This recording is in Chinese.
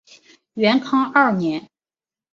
元康二年。